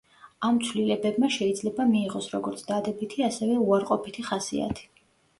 ამ ცვლილებებმა შეიძლება მიიღოს როგორც დადებითი, ასევე უარყოფითი ხასიათი.